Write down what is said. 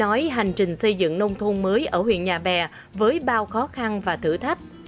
nói hành trình xây dựng nông thôn mới ở huyện nhà bè với bao khó khăn và thử thách